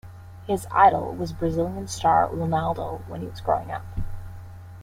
His idol was Brazilian star Ronaldo when he was growing up.